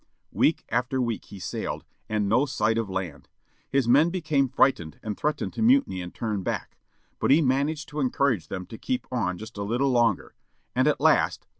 Week after week he sailed, and no sight of land. His men became frightened and threatened to mutiny and turn back. But he managed to encourage them to keep on just a little longer. And at last!